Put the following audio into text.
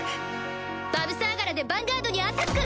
バヴサーガラでヴァンガードにアタック！